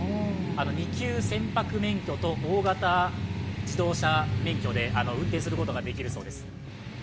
２級船舶免許と大型自動車免許で運転することができるそうです。